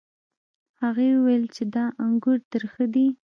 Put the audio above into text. هغې وویل چې دا انګور ترخه دي.